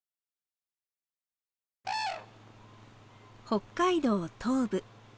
北海道東部。